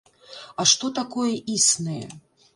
А што такое існае?